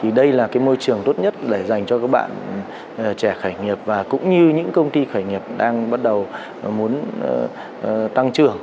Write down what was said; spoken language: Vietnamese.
thì đây là cái môi trường tốt nhất để dành cho các bạn trẻ khởi nghiệp và cũng như những công ty khởi nghiệp đang bắt đầu muốn tăng trưởng